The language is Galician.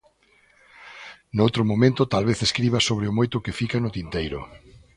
Noutro momento tal vez escriba sobre o moito que fica no tinteiro.